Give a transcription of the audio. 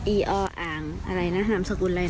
ีออ่างอะไรนะหามสกุลอะไร